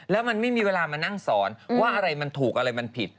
แล้วมันไม่มีเวลามานั่งสอนว่าอะไรมันถูกอะไรมันผิด